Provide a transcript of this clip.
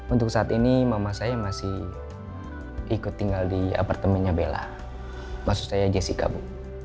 untuk saat ini mama saya masih ikut tinggal di apartemennya bella maksud saya jessica bu